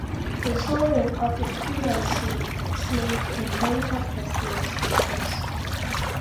The children of a female slave inherited her slave status.